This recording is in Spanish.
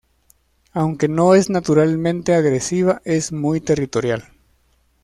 Aunque no es naturalmente agresiva es muy territorial.